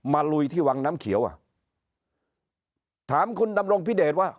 ลุยที่วังน้ำเขียวอ่ะถามคุณดำรงพิเดชว่า